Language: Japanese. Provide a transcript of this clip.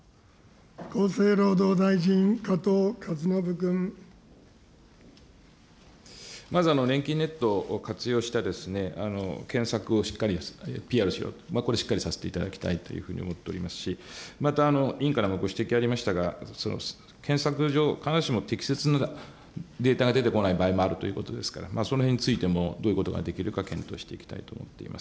厚生労働大臣、まず、ねんきんネットを活用して検索をしっかりＰＲしようと、これをしっかりさせていただきたいと思っておりますし、また委員からもご指摘ありましたが、検索上、必ずしも適切なデータが出てこない場合もあるということですから、そのへんについてもどういうことができるか検討していきたいと思っています。